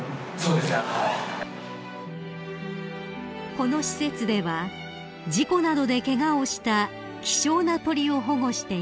［この施設では事故などでケガをした希少な鳥を保護しています］